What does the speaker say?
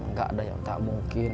nggak ada yang tak mungkin